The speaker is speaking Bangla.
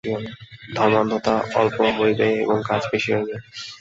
ধর্মান্ধতা অল্প হইবে এবং কাজ বেশী হইবে।